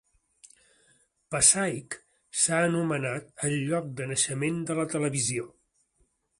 Passaic s'ha anomenat "El lloc de naixement de la televisió".